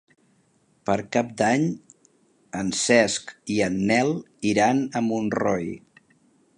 Per Cap d'Any en Cesc i en Nel iran a Montroi.